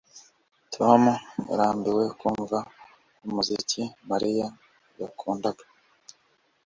Tom yarambiwe kumva umuziki Mariya yakundaga